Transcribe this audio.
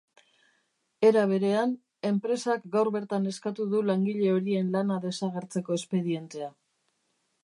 Era berean, enpresak gaur bertan eskatu du langile horien lana desagertzeko espedientea.